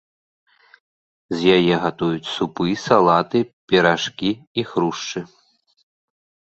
З яе гатуюць супы, салаты, піражкі і хрушчы.